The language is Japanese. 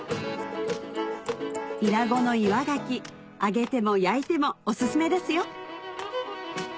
伊良湖の岩ガキ揚げても焼いてもお薦めですよ